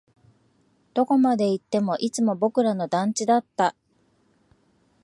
どこまで行っても、いつもの僕らの団地だった